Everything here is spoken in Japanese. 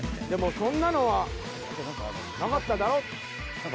そんなのはなかっただろ」と。